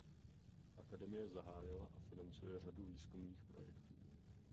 Akademie zahájila a financuje řadu výzkumných projektů.